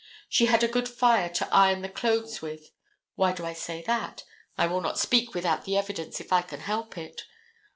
She had a good fire to iron the clothes with. Why do I say that? I will not speak without the evidence if I can help it.